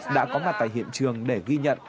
đã có mặt tại hiện trường để ghi nhận